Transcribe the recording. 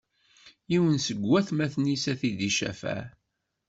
Yiwen seg watmaten-is, ad t-id-icafeɛ.